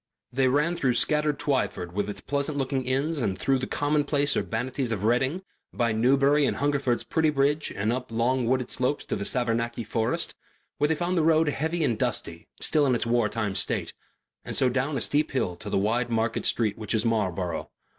They ran through scattered Twyford with its pleasant looking inns and through the commonplace urbanities of Reading, by Newbury and Hungerford's pretty bridge and up long wooded slopes to Savernake forest, where they found the road heavy and dusty, still in its war time state, and so down a steep hill to the wide market street which is Marlborough.